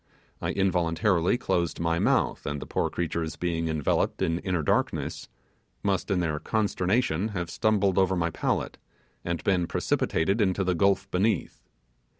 I involuntarily closed my mouth, and the poor creatures being enveloped in inner darkness, must in their consternation have stumbled over my palate, and been precipitated into the gulf beneath.